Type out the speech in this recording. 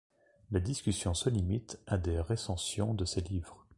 La discussion se limite à des recensions de ses livres.